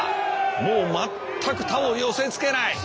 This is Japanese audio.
もう全く他を寄せつけない。